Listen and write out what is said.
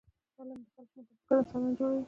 علم له خلکو متفکر انسانان جوړوي.